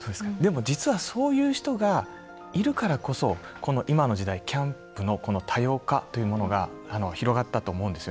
そういう人がいるからこそ今の時代キャンプの多様化というものが広がったと思うんです。